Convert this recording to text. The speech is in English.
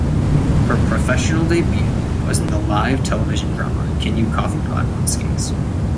Her professional debut was in the live television drama Can You Coffeepot on Skates?